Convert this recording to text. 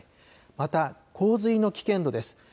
また洪水の危険度です。